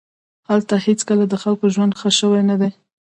هلته هېڅکله د خلکو ژوند ښه شوی نه دی